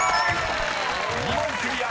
［２問クリア！